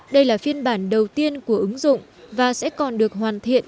đây là phiên bản đầu tiên của ứng dụng và sẽ còn được hoàn thiện